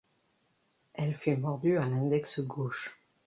Elle fut mordue à l'index gauche.